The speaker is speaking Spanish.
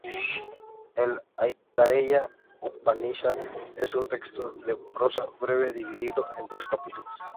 El "Aitareya-upanishad" es un texto de prosa breve, dividido en tres capítulos.